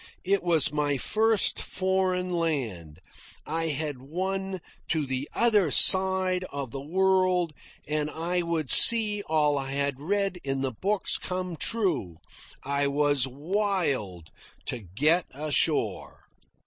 It was my first foreign land; I had won to the other side of the world, and I would see all I had read in the books come true. I was wild to get ashore.